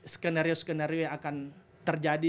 skenario skenario yang akan terjadi